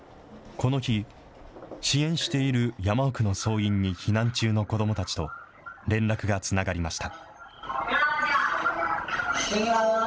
この日、支援している山奥の僧院に避難中の子どもたちと、連絡がつながりました。